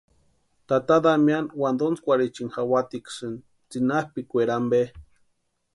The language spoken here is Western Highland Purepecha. Tata Damiani wantontskwarhichini jawatiksïni tsinapʼikwaeri ampe.